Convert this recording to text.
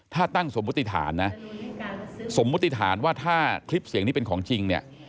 ถ้าตั้งสมมุติฐานนะสมมุติฐานว่าถ้าคลิปเสียงนี้เป็นของจริงเนี่ย